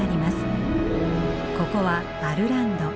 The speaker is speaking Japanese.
ここはアルランド。